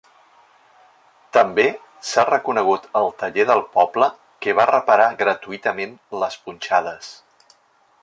També s’ha reconegut el taller del poble que va reparar gratuïtament les punxades.